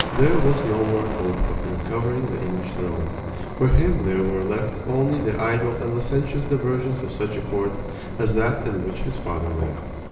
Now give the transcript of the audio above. There was no more hope of recovering the English throne. For him there were left only the idle and licentious diversions of such a court as that in which his father lived.